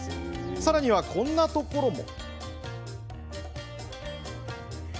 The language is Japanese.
さらには、こんなところも。